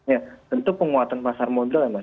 ya tentu penguatan pasar modal yang